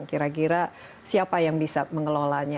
kira kira siapa yang bisa mengelolanya